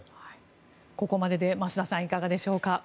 ここまで増田さん、いかがですか。